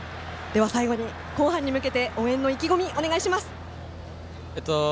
最後に後半に向けて応援の意気込みをお願いします。